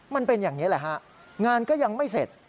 มันเป็นอย่างนี้แหละฮะงานก็ยังไม่เสร็จ